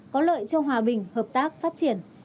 có lợi cho hòa bình hợp tác phát triển